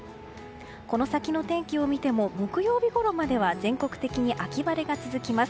この先の天気を見ても木曜日ごろまでは全国的に秋晴れが続きます。